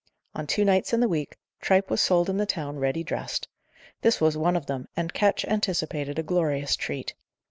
On two nights in the week, tripe was sold in the town ready dressed. This was one of them, and Ketch anticipated a glorious treat.